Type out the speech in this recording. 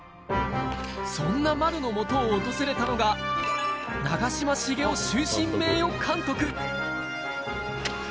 そんな丸のもとを訪れたのが、長嶋茂雄終身名誉監督。